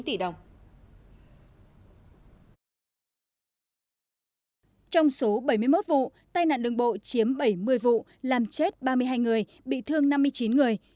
trong số bảy mươi một vụ tai nạn đường bộ chiếm bảy mươi vụ làm chết ba mươi hai người bị thương năm mươi chín người